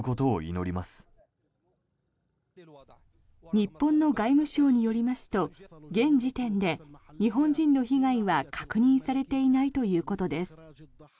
日本の外務省によりますと現時点で日本人の被害は確認されていないということです。